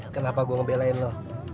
kenapa gue ngebelain lo